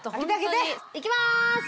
いきます！